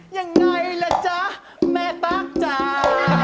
ยังไงล่ะจ๊ะแม่ตั๊กจ้า